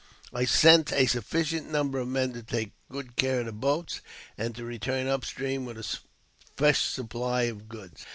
I sent a sufficient number of men to take good care of the boats, and to return up fetream with a fresh supply of goods.